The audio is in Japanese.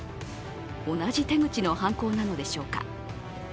同じ手口の犯行なのでしょうか。